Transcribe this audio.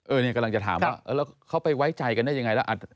นี่กำลังจะถามว่าแล้วเขาไปไว้ใจกันได้ยังไงล่ะ